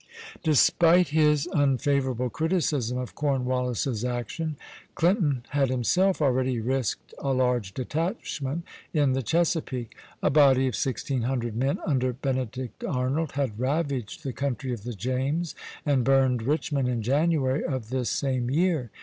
Despite his unfavorable criticism of Cornwallis's action, Clinton had himself already risked a large detachment in the Chesapeake. A body of sixteen hundred men under Benedict Arnold had ravaged the country of the James and burned Richmond in January of this same year.